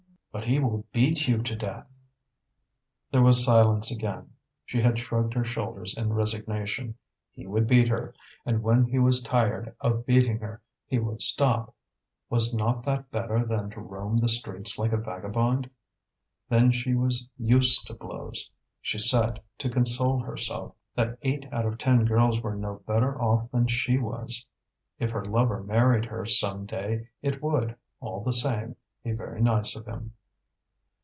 "But he will beat you to death." There was silence again. She had shrugged her shoulders in resignation. He would beat her, and when he was tired of beating her he would stop. Was not that better than to roam the streets like a vagabond? Then she was used to blows; she said, to console herself, that eight out of ten girls were no better off than she was. If her lover married her some day it would, all the same, be very nice of him.